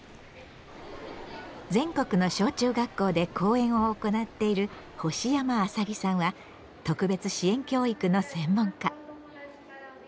全国の小中学校で講演を行っている星山麻木さんは特別支援教育の専門家。